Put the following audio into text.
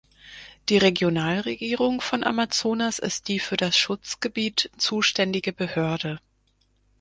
Die Regionalregierung von Amazonas ist die für das Schutzgebiet zuständige Behörde.